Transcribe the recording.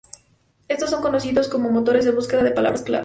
Estos son conocidos como motores de búsqueda de palabras clave.